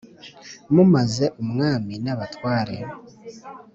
Mu maze umwami n abatware